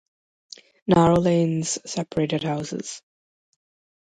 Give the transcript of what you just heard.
Narrow lanes separated houses.